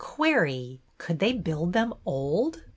Query : could they build them old?